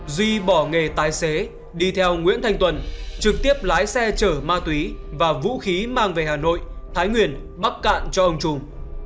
duy bỏ nghề tài xế đi theo nguyễn thanh tuần trực tiếp lái xe chở ma túy và vũ khí mang về hà nội thái nguyên bắc cạn cho ông trung